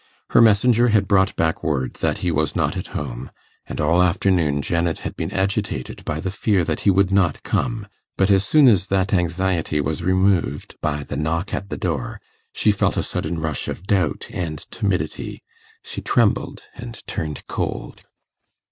Her messenger had brought back word that he was not at home, and all afternoon Janet had been agitated by the fear that he would not come; but as soon as that anxiety was removed by the knock at the door, she felt a sudden rush of doubt and timidity: she trembled and turned cold.